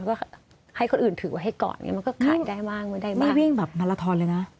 แล้วก็ให้คนอื่นถือไว้ให้ก่อนมันก็ขายได้มากมันได้มากไม่วิ่งแบบมาลาทอนเลยน่ะ